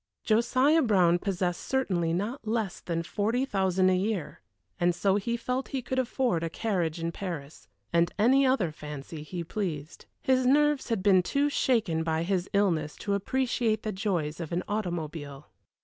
Josiah Brown possessed certainly not less than forty thousand a year, and so felt he could afford a carriage in Paris, and any other fancy he pleased. His nerves had been too shaken by his illness to appreciate the joys of an automobile.